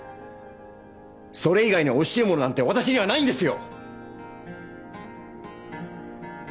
それ以外には惜しいものなんて私にはないんですよ！